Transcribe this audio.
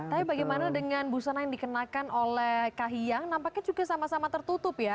tapi bagaimana dengan busana yang dikenakan oleh kahiyang nampaknya juga sama sama tertutup ya